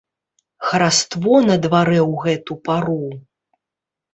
Хараство на дварэ ў гэту пару.